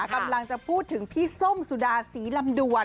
กำลังจะพูดถึงพี่ส้มสุดาศรีลำดวน